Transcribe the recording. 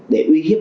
để uy hiểm